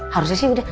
harusnya sih udah